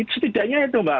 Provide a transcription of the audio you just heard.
setidaknya itu pak